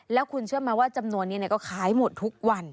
แล้วคุณเชื่อไหมว่าจำนวนนี้ก็ขายหมดทุกวัน